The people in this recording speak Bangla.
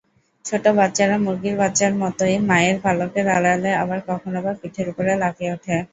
ছোট বাচ্চারা মুরগির বাচ্চার মতই মায়ের পালকের আড়ালে, আবার কখনোবা পিঠের উপর লাফিয়ে ওঠে।